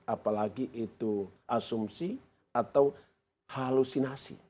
apalagi itu asumsi atau halusinasi